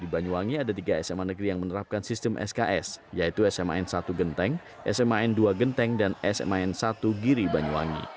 di banyuwangi ada tiga sma negeri yang menerapkan sistem sks yaitu sma n satu genteng sma n dua genteng dan sma n satu giri banyuwangi